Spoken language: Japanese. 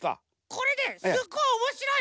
これねすっごいおもしろい！